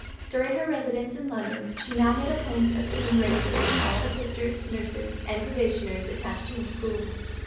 During her residence in London she now made a point of seeing regularly all the Sisters, Nurses, and Probationers attached to her School.